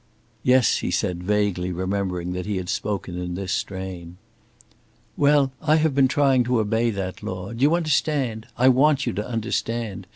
"Yes," he said, vaguely remembering that he had spoken in this strain. "Well, I have been trying to obey that law. Do you understand? I want you to understand.